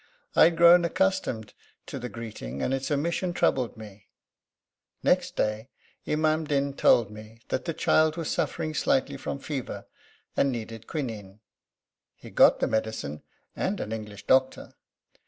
I had grown accustomed to the greeting, and its omission troubled me. Next day Imam Din told me that the child was suffering slightly from fever and needed quinine. He got the medicine, and an English Doctor.